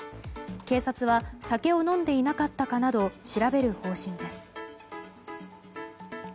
警察は酒を飲んでいなかったかなど調べる方針です。